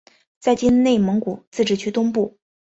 在今内蒙古自治区东部。